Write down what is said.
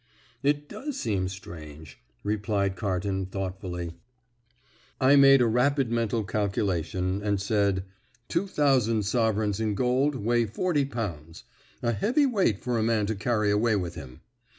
"It does seem strange," replied Carton thoughtfully. I made a rapid mental calculation, and said, "Two thousand sovereigns in gold weigh forty pounds. A heavy weight for a man to carry away with him."